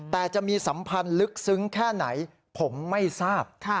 แต่จะมีสัมพันธ์ลึกซึ้งแค่ไหนผมไม่ทราบ